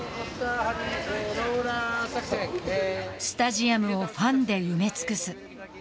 スタジアムをファンで埋め尽くす。